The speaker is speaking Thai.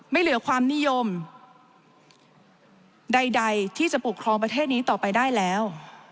ไม่เหลือความนิยมใดที่จะปกครองประเทศนี้ต่อไปได้แล้ว